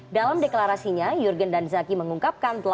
dalam deklarasinya jurgen dan zaki mengungkapkan